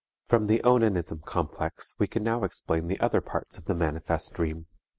From the onanism complex we can now explain the other parts of the manifest dream.